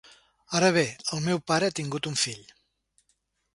Ara bé; el meu pare ha tingut un fill.